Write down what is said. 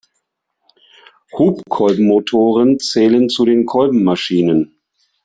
Hubkolbenmotoren zählen zu den Kolbenmaschinen.